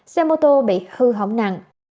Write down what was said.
xe mô tô bị hư hỏng nặng